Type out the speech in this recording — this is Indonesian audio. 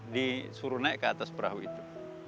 disuruh naik ke atas perahu itu